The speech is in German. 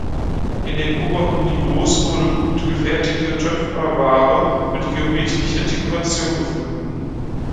In den oberen Niveaus wurde gut gefertigte Töpferware mit geometrischer Dekoration gefunden.